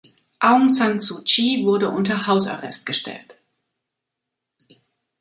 Aung San Suu Kyi wurde unter Hausarrest gestellt.